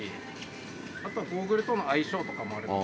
ゴーグルとの相性とかもあるので。